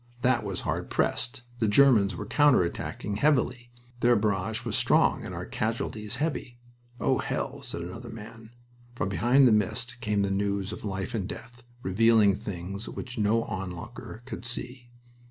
That was hard pressed. The Germans were counter attacking heavily. Their barrage was strong and our casualties heavy. "Oh, hell!" said other men. From behind the mist came the news of life and death, revealing things which no onlooker could see.